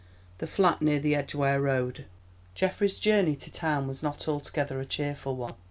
THE FLAT NEAR THE EDGWARE ROAD Geoffrey's journey to town was not altogether a cheerful one.